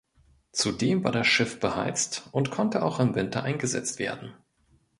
Zudem war das Schiff beheizt und konnte auch im Winter eingesetzt werden.